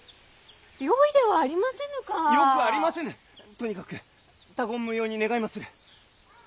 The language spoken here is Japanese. とにかく他言無用に願いまする。